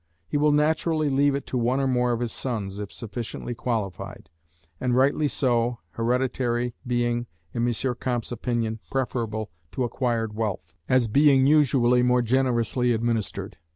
He will naturally leave it to one or more of his sons, if sufficiently qualified; and rightly so, hereditary being, in M. Comte's opinion, preferable to acquired wealth, as being usually more generously administered.